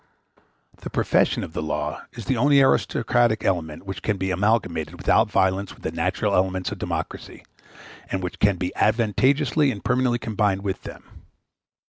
The profession of the law is the only aristocratic element which can be amalgamated without violence with the natural elements of democracy, and which can be advantageously and permanently combined with them.